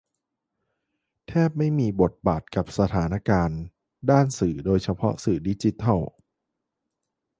แทบไม่มีทบบาท กับสถานการณ์ด้านสื่อโดยเฉพาะสื่อดิจิทัล